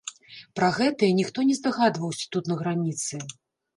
Пра гэтае ніхто не здагадваўся тут на граніцы.